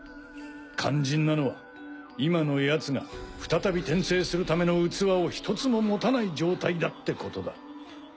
肝心なのは今のヤツが再び転生するための器を一つも持たない状態だってことだ。